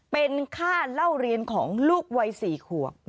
เป็นค่าเล่าเรียนของลูกวัย๔ขวบ